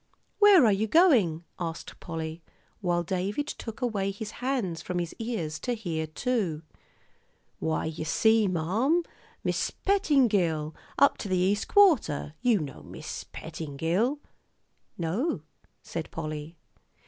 "Where are you going?" asked Polly, while David took away his hands from his ears to hear, too. "Why, you see, marm, Mis' Pettingill, up to th'East Quarter you know Mis' Pettingill?" "No," said Polly.